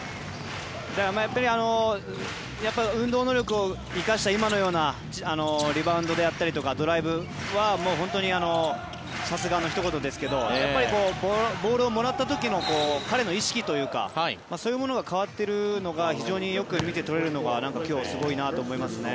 やっぱり運動能力を生かした今のようなリバウンドであったりドライブはもう本当にさすがのひと言ですけどやっぱりボールをもらった時の彼の意識というかそういうものが変わっているのが非常によく見て取れるのが今日、すごいなと思いますね。